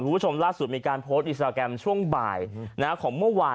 คุณผู้ชมล่าสุดมีการโพสต์อินสตราแกรมช่วงบ่ายของเมื่อวาน